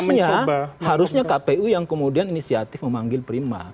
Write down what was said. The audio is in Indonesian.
artinya harusnya kpu yang kemudian inisiatif memanggil prima